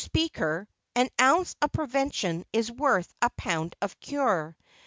Speaker, "an ounce of prevention is worth a pound of cure."